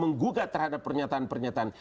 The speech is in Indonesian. menggugat terhadap pernyataan pernyataan